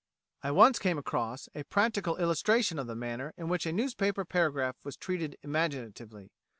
I once came across a practical illustration of the manner in which a newspaper paragraph was treated imaginatively.